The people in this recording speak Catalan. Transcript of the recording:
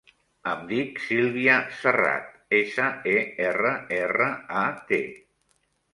Em dic Sílvia Serrat: essa, e, erra, erra, a, te.